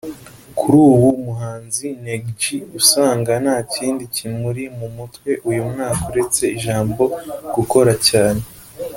kuri ubu umuhanzi Neg-G usanga ntakindi kimuri mu mutwe uyu mwaka uretse ijambo gukora cyane